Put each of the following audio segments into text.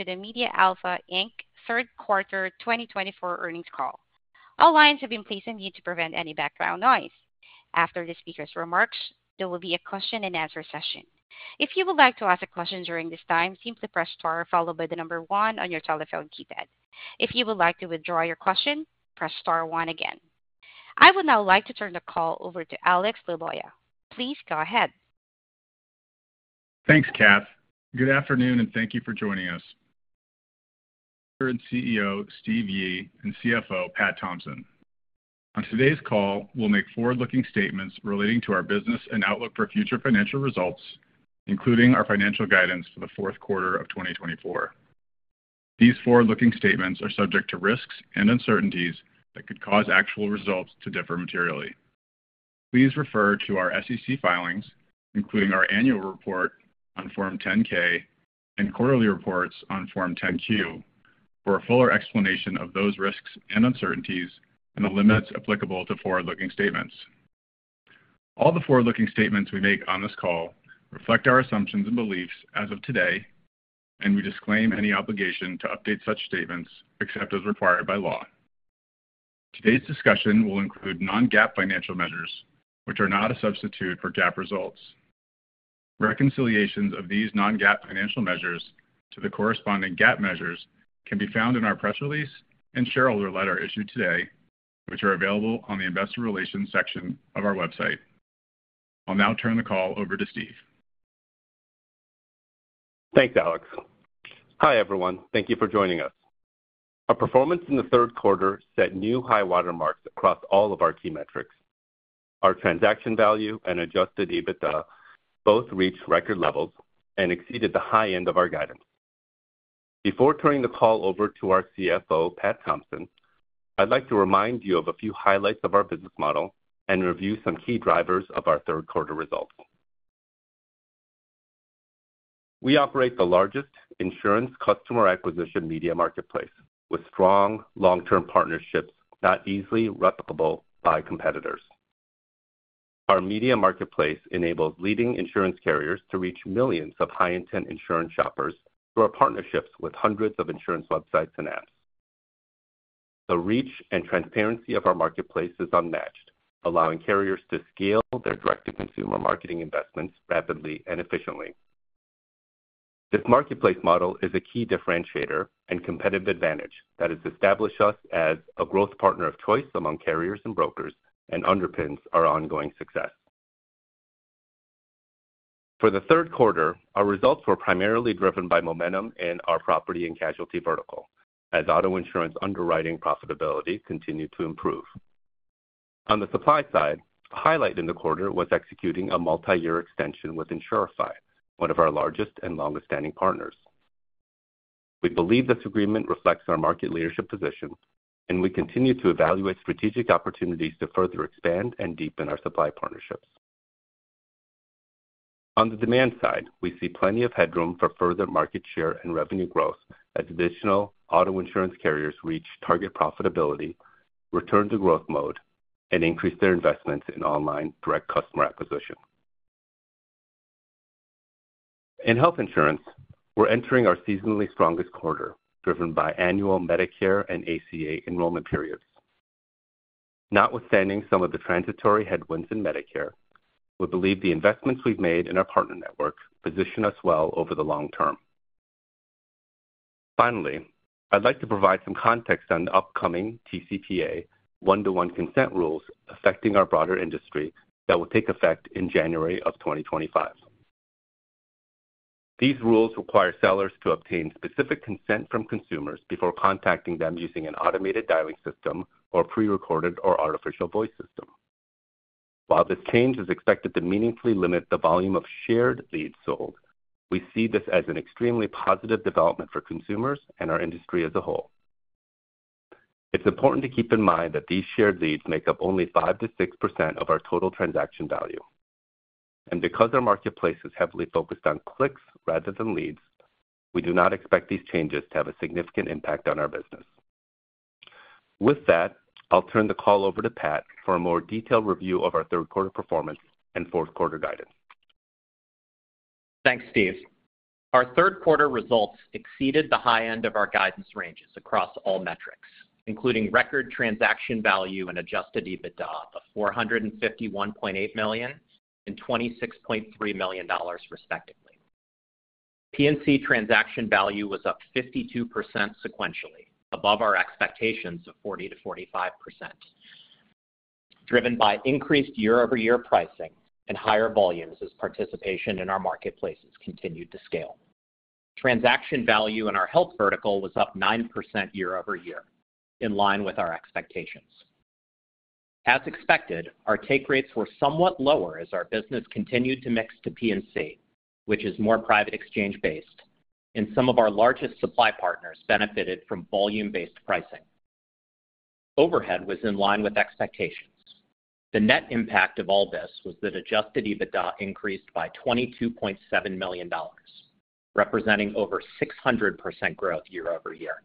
To the MediaAlpha Inc. third quarter 2024 earnings call. All lines have been placed on mute to prevent any background noise. After the speaker's remarks, there will be a question-and-answer session. If you would like to ask a question during this time, simply press star followed by the number one on your telephone keypad. If you would like to withdraw your question, press star one again. I would now like to turn the call over to Alex Liloia. Please go ahead. Thanks, Kat. Good afternoon, and thank you for joining us. I'm CEO Steve Yi and CFO Pat Thompson. On today's call, we'll make forward-looking statements relating to our business and outlook for future financial results, including our financial guidance for the fourth quarter of 2024. These forward-looking statements are subject to risks and uncertainties that could cause actual results to differ materially. Please refer to our SEC filings, including our annual report on Form 10-K and quarterly reports on Form 10-Q, for a fuller explanation of those risks and uncertainties and the limits applicable to forward-looking statements. All the forward-looking statements we make on this call reflect our assumptions and beliefs as of today, and we disclaim any obligation to update such statements except as required by law. Today's discussion will include non-GAAP financial measures, which are not a substitute for GAAP results. Reconciliations of these non-GAAP financial measures to the corresponding GAAP measures can be found in our press release and shareholder letter issued today, which are available on the investor relations section of our website. I'll now turn the call over to Steve. Thanks, Alex. Hi, everyone. Thank you for joining us. Our performance in the third quarter set new high watermarks across all of our key metrics. Our transaction value and Adjusted EBITDA both reached record levels and exceeded the high end of our guidance. Before turning the call over to our CFO, Pat Thompson, I'd like to remind you of a few highlights of our business model and review some key drivers of our third quarter results. We operate the largest insurance customer acquisition media marketplace with strong long-term partnerships that are easily replicable by competitors. Our media marketplace enables leading insurance carriers to reach millions of high-intent insurance shoppers through our partnerships with hundreds of insurance websites and apps. The reach and transparency of our marketplace is unmatched, allowing carriers to scale their direct-to-consumer marketing investments rapidly and efficiently. This marketplace model is a key differentiator and competitive advantage that has established us as a growth partner of choice among carriers and brokers and underpins our ongoing success. For the third quarter, our results were primarily driven by momentum in our property and casualty vertical, as auto insurance underwriting profitability continued to improve. On the supply side, a highlight in the quarter was executing a multi-year extension with Insurify, one of our largest and longest-standing partners. We believe this agreement reflects our market leadership position, and we continue to evaluate strategic opportunities to further expand and deepen our supply partnerships. On the demand side, we see plenty of headroom for further market share and revenue growth as additional auto insurance carriers reach target profitability, return to growth mode, and increase their investments in online direct customer acquisition. In health insurance, we're entering our seasonally strongest quarter, driven by annual Medicare and ACA enrollment periods. Notwithstanding some of the transitory headwinds in Medicare, we believe the investments we've made in our partner network position us well over the long term. Finally, I'd like to provide some context on the upcoming TCPA one-to-one consent rules affecting our broader industry that will take effect in January of 2025. These rules require sellers to obtain specific consent from consumers before contacting them using an automated dialing system or pre-recorded or artificial voice system. While this change is expected to meaningfully limit the volume of shared leads sold, we see this as an extremely positive development for consumers and our industry as a whole. It's important to keep in mind that these shared leads make up only 5%-6% of our total transaction value. Because our marketplace is heavily focused on clicks rather than leads, we do not expect these changes to have a significant impact on our business. With that, I'll turn the call over to Pat for a more detailed review of our third quarter performance and fourth quarter guidance. Thanks, Steve. Our third quarter results exceeded the high end of our guidance ranges across all metrics, including record transaction value and adjusted EBITDA of $451.8 million and $26.3 million, respectively. P&C transaction value was up 52% sequentially, above our expectations of 40%-45%, driven by increased year-over-year pricing and higher volumes as participation in our marketplaces continued to scale. Transaction value in our health vertical was up 9% year-over-year, in line with our expectations. As expected, our take rates were somewhat lower as our business continued to mix to P&C, which is more private exchange-based, and some of our largest supply partners benefited from volume-based pricing. Overhead was in line with expectations. The net impact of all this was that adjusted EBITDA increased by $22.7 million, representing over 600% growth year-over-year.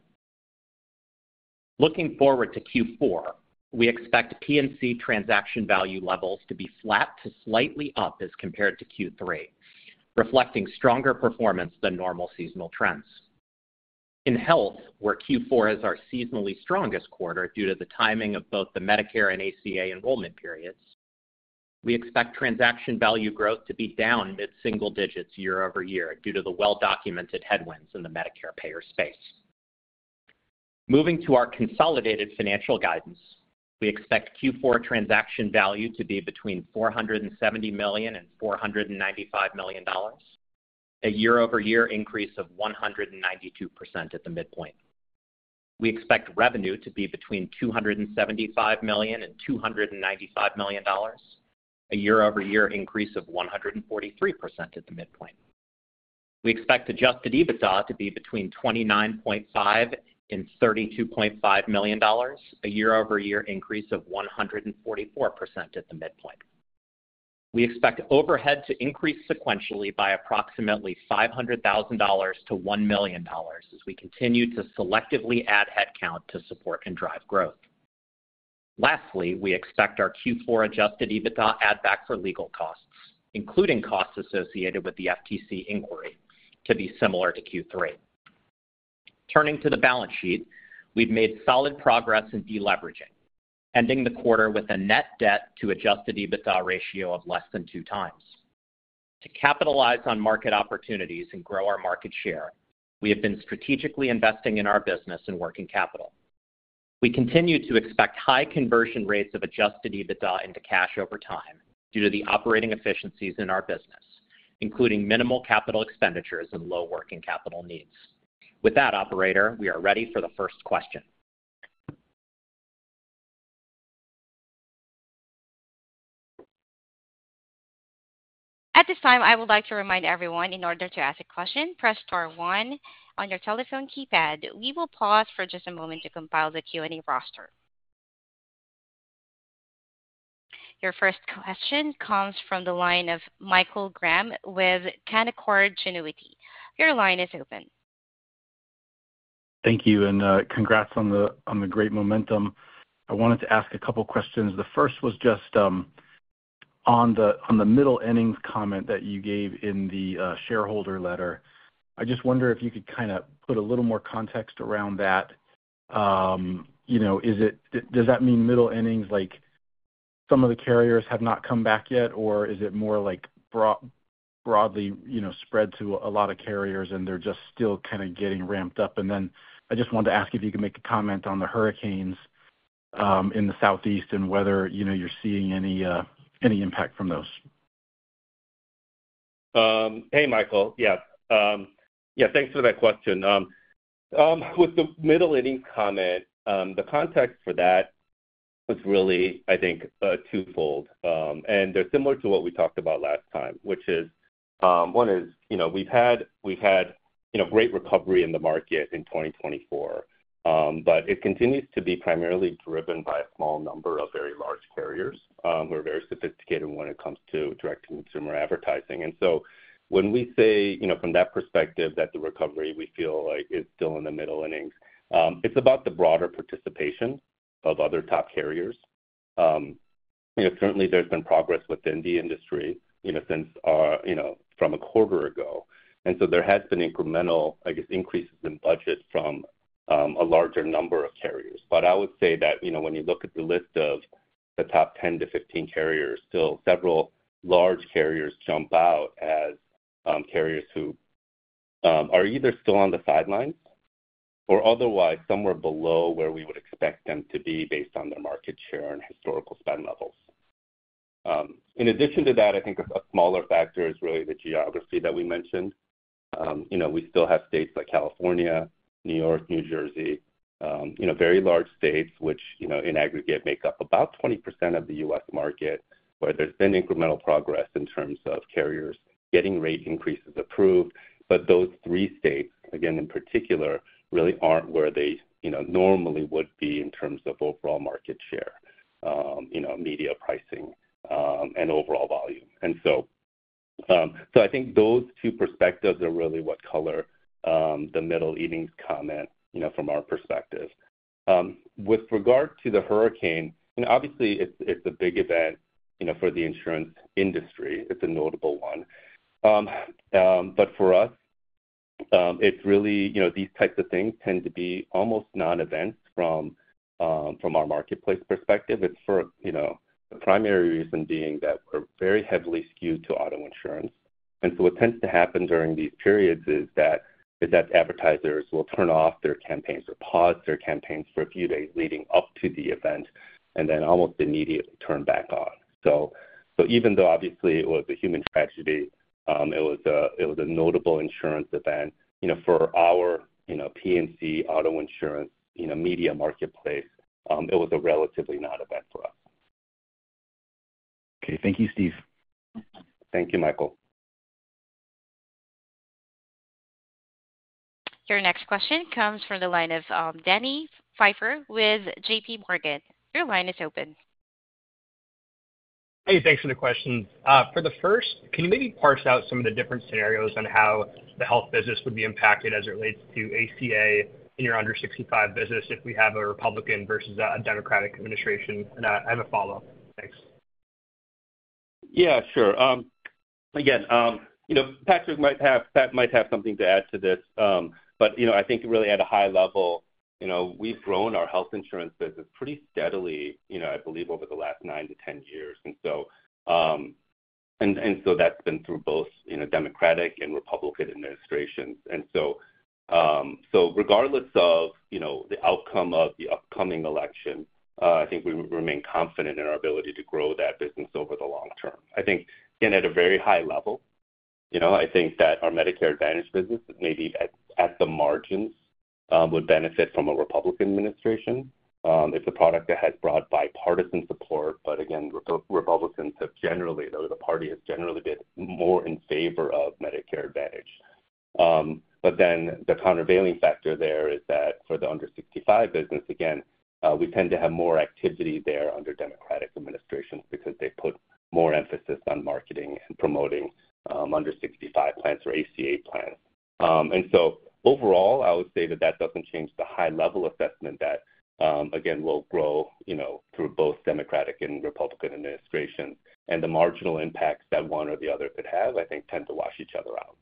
Looking forward to Q4, we expect P&C transaction value levels to be flat to slightly up as compared to Q3, reflecting stronger performance than normal seasonal trends. In health, where Q4 is our seasonally strongest quarter due to the timing of both the Medicare and ACA enrollment periods, we expect transaction value growth to be down mid-single digits year-over-year due to the well-documented headwinds in the Medicare payer space. Moving to our consolidated financial guidance, we expect Q4 transaction value to be between $470-$495 million, a year-over-year increase of 192% at the midpoint. We expect revenue to be between $275-$295 million, a year-over-year increase of 143% at the midpoint. We expect adjusted EBITDA to be between $29.5-$32.5 million, a year-over-year increase of 144% at the midpoint. We expect overhead to increase sequentially by approximately $500,000-$1 million as we continue to selectively add headcount to support and drive growth. Lastly, we expect our Q4 Adjusted EBITDA add-back for legal costs, including costs associated with the FTC inquiry, to be similar to Q3. Turning to the balance sheet, we've made solid progress in deleveraging, ending the quarter with a net debt-to-Adjusted EBITDA ratio of less than two times. To capitalize on market opportunities and grow our market share, we have been strategically investing in our business and working capital. We continue to expect high conversion rates of Adjusted EBITDA into cash over time due to the operating efficiencies in our business, including minimal capital expenditures and low working capital needs. With that, Operator, we are ready for the first question. At this time, I would like to remind everyone, in order to ask a question, press star one on your telephone keypad. We will pause for just a moment to compile the Q&A roster. Your first question comes from the line of Michael Graham with Canaccord Genuity. Your line is open. Thank you and congrats on the great momentum. I wanted to ask a couple of questions. The first was just on the middle-innings comment that you gave in the shareholder letter. I just wonder if you could kind of put a little more context around that. Does that mean middle-innings, like some of the carriers have not come back yet, or is it more broadly spread to a lot of carriers, and they're just still kind of getting ramped up? And then I just wanted to ask if you could make a comment on the hurricanes in the Southeast and whether you're seeing any impact from those? Hey, Michael. Yeah. Yeah, thanks for that question. With the middle-innings comment, the context for that was really, I think, twofold, and they're similar to what we talked about last time, which is one is we've had great recovery in the market in 2024, but it continues to be primarily driven by a small number of very large carriers who are very sophisticated when it comes to direct-to-consumer advertising, and so when we say, from that perspective, that the recovery we feel like is still in the middle-innings, it's about the broader participation of other top carriers. Certainly, there's been progress within the industry since from a quarter ago, and so there has been incremental, I guess, increases in budget from a larger number of carriers. But I would say that when you look at the list of the top 10 to 15 carriers, still several large carriers jump out as carriers who are either still on the sidelines or otherwise somewhere below where we would expect them to be based on their market share and historical spend levels. In addition to that, I think a smaller factor is really the geography that we mentioned. We still have states like California, New York, New Jersey, very large states, which in aggregate make up about 20% of the U.S. market, where there's been incremental progress in terms of carriers getting rate increases approved. But those three states, again, in particular, really aren't where they normally would be in terms of overall market share, media pricing, and overall volume. And so I think those two perspectives are really what color the middle-innings comment from our perspective. With regard to the hurricane, obviously, it's a big event for the insurance industry. It's a notable one. But for us, it's really these types of things tend to be almost non-events from our marketplace perspective. The primary reason being that we're very heavily skewed to auto insurance. What tends to happen during these periods is that advertisers will turn off their campaigns or pause their campaigns for a few days leading up to the event and then almost immediately turn back on. So even though, obviously, it was a human tragedy, it was a notable insurance event. For our P&C auto insurance media marketplace, it was a relatively non-event for us. Okay. Thank you, Steve. Thank you, Michael. Your next question comes from the line of Danny Pfeiffer with JPMorgan. Your line is open. Hey, thanks for the questions. For the first, can you maybe parse out some of the different scenarios on how the health business would be impacted as it relates to ACA in your under-65 business if we have a Republican versus a Democratic administration? And I have a follow-up. Thanks. Yeah, sure. Again, Patrick might have something to add to this, but I think really at a high level, we've grown our health insurance business pretty steadily, I believe, over the last 9 to 10 years, and so that's been through both Democratic and Republican administrations, and so regardless of the outcome of the upcoming election, I think we remain confident in our ability to grow that business over the long term. I think, again, at a very high level, I think that our Medicare Advantage business, maybe at the margins, would benefit from a Republican administration if the product has broad bipartisan support, but again, Republicans have generally, the party has generally been more in favor of Medicare Advantage. But then the countervailing factor there is that for the under-65 business, again, we tend to have more activity there under Democratic administrations because they put more emphasis on marketing and promoting under-65 plans or ACA plans. And so overall, I would say that that doesn't change the high-level assessment that, again, will grow through both Democratic and Republican administrations. And the marginal impacts that one or the other could have, I think, tend to wash each other out.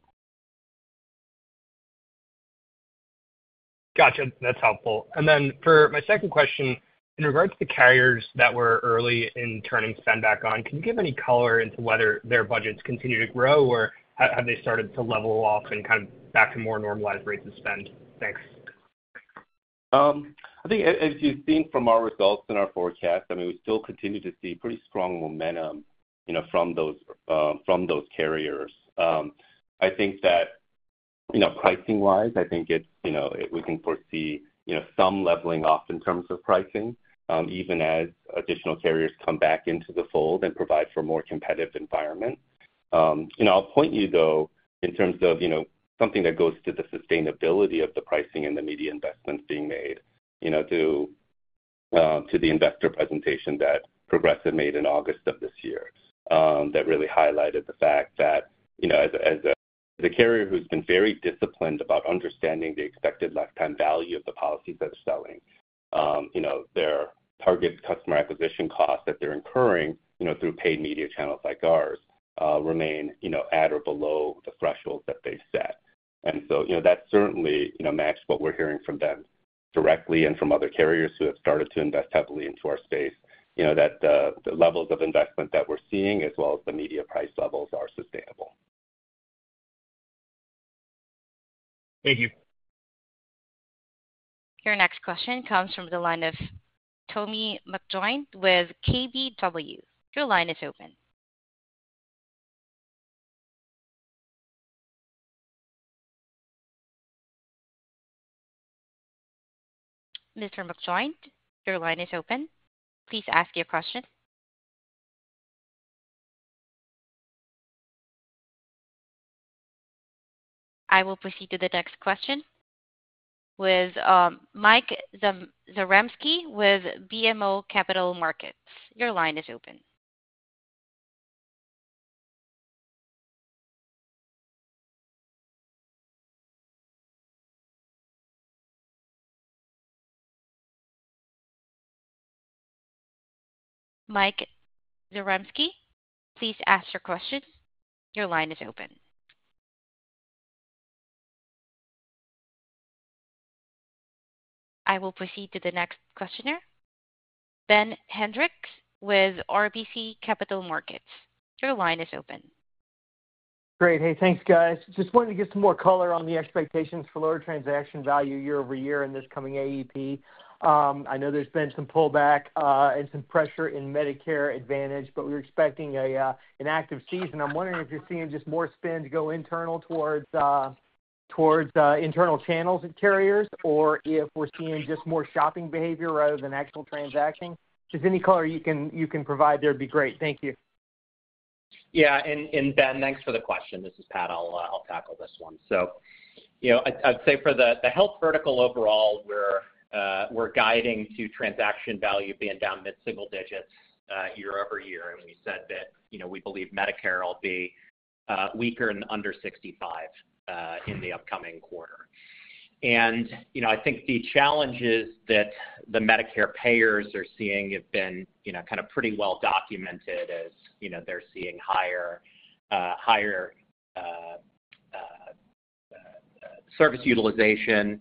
Gotcha. That's helpful. And then for my second question, in regards to the carriers that were early in turning spend back on, can you give any color into whether their budgets continue to grow, or have they started to level off and kind of back to more normalized rates of spend? Thanks. I think, as you've seen from our results and our forecast, I mean, we still continue to see pretty strong momentum from those carriers. I think that pricing-wise, I think we can foresee some leveling off in terms of pricing, even as additional carriers come back into the fold and provide for a more competitive environment. I'll point you, though, in terms of something that goes to the sustainability of the pricing and the media investments being made to the investor presentation that Progressive made in August of this year that really highlighted the fact that as a carrier who's been very disciplined about understanding the expected lifetime value of the policies that they're selling, their target customer acquisition costs that they're incurring through paid media channels like ours remain at or below the thresholds that they've set. And so that certainly maps what we're hearing from them directly and from other carriers who have started to invest heavily into our space, that the levels of investment that we're seeing, as well as the media price levels, are sustainable. Thank you. Your next question comes from the line of Tommy McJoynt with KBW. Your line is open. Mr. McJoynt, your line is open. Please ask your question. I will proceed to the next question with Mike Zaremsky with BMO Capital Markets. Your line is open. Mike Zaremsky, please ask your question. Your line is open. I will proceed to the next questioner. Ben Hendrix with RBC Capital Markets. Your line is open. Great. Hey, thanks, guys. Just wanted to get some more color on the expectations for lower transaction value year-over-year in this coming AEP. I know there's been some pullback and some pressure in Medicare Advantage, but we're expecting an active season. I'm wondering if you're seeing just more spend go internal towards internal channels at carriers, or if we're seeing just more shopping behavior rather than actual transaction? Just any color you can provide, that would be great. Thank you. Yeah. And Ben, thanks for the question. This is Pat. I'll tackle this one. So I'd say for the health vertical overall, we're guiding to transaction value being down mid-single digits year-over-year. And we said that we believe Medicare will be weaker and under 65 in the upcoming quarter. And I think the challenges that the Medicare payers are seeing have been kind of pretty well documented as they're seeing higher service utilization.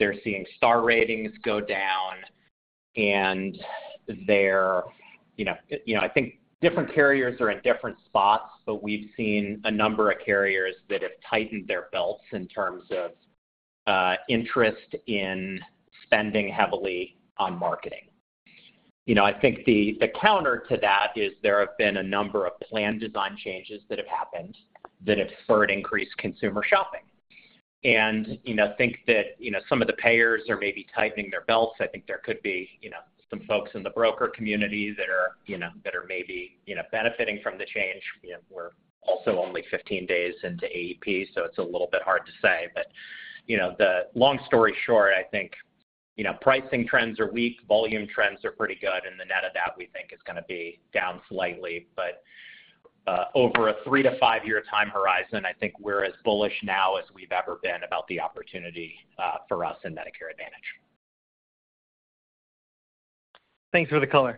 They're seeing star ratings go down. And I think different carriers are in different spots, but we've seen a number of carriers that have tightened their belts in terms of interest in spending heavily on marketing. I think the counter to that is there have been a number of plan design changes that have happened that have spurred increased consumer shopping. And I think that some of the payers are maybe tightening their belts. I think there could be some folks in the broker community that are maybe benefiting from the change. We're also only 15 days into AEP, so it's a little bit hard to say. But the long story short, I think pricing trends are weak. Volume trends are pretty good. And the net of that, we think, is going to be down slightly. But over a three-to-five-year time horizon, I think we're as bullish now as we've ever been about the opportunity for us in Medicare Advantage. Thanks for the call.